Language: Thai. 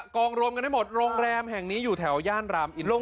กองรวมกันได้หมดโรงแรมแห่งนี้อยู่แถวย่านรามอินล่ม